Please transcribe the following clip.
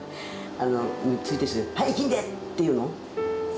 あの「はい息んで！」って言うの？